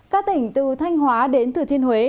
các tỉnh từ thanh hóa đến thừa thiên huế